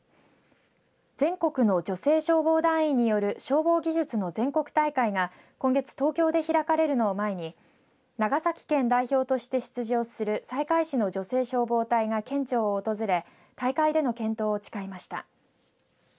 全国の女性消防団員による消防技術の全国大会が今月、東京で開かれるのを前に長崎県代表として出場する西海市の女性消防隊が県庁を訪れ大会での健闘を誓いました。